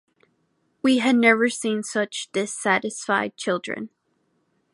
We had never seen such dissatisfied children.